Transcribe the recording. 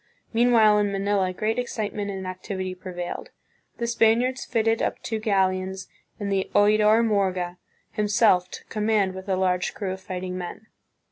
Meanwhile in Manila great excitement and activity prevailed. The Spaniards fitted up two galleons and the Oidor Morga himself took com mand with a large crew of fighting men.